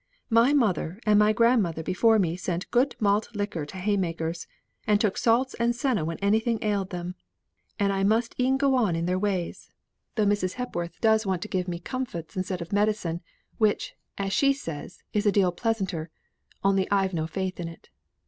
My mother and my grandmother before me sent good malt liquor to hay makers, and took salts and senna when anything ailed them; and I must e'en go on in their ways, though Mrs. Hepworth does want to give me comfits instead of medicine, which, as she says, is a deal pleasanter, only I've no faith in it.